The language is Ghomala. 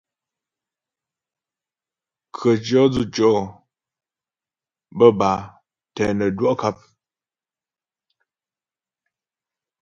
Khətʉɔ̌ dzʉtʉɔ' bə́́ bâ tɛ nə́ dwɔ' kap.